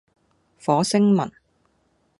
火星文